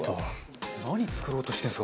何作ろうとしてるんですか？